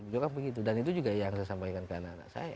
juga kan begitu dan itu juga yang saya sampaikan ke anak anak saya